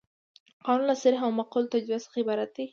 قانون له صریح او معقول تجویز څخه عبارت دی.